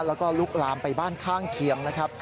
แล้วก็ลุกลามไปบ้านข้างเคียงนะครับ